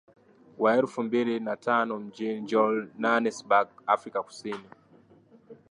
Wa elfu mbili na tano mjini Johannesburg Afrika Kusini